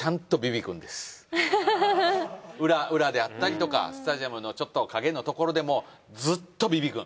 裏であったりとかスタジアムのちょっと陰のところでもずっとヴィヴィくん。